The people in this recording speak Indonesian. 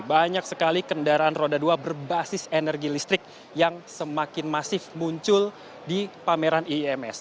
banyak sekali kendaraan roda dua berbasis energi listrik yang semakin masif muncul di pameran iims